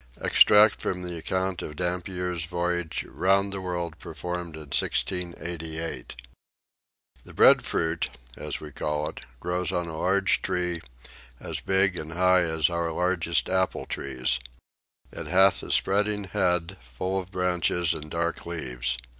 EXTRACT FROM THE ACCOUNT OF DAMPIER'S VOYAGE ROUND THE WORLD PERFORMED IN 1688. The breadfruit (as we call it) grows on a large tree, as big and high as our largest apple trees: It hath a spreading head, full of branches and dark leaves.